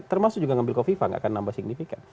termasuk juga ngambil kofifah gak akan nambah signifikan